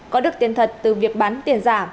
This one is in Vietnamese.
có được tiền thật từ việc bán tiền giả